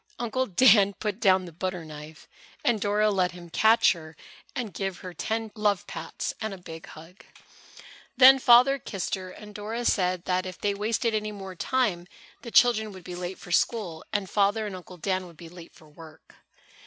Uncle Dan put down the butter knife and Dora let him catch her and give her ten love pats and a big hug. Then Father kissed her, and Mother said if they wasted any more time the children would be late for school and Father and Uncle Dan would be late for work.